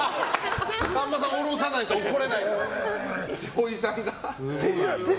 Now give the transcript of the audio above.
さんまさんを降ろさないと怒れない。ほいさんが。